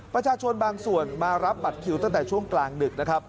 ประชาชนบางส่วนมารับบัตรคิวตั้งแต่ช่วงกลางดึกนะครับ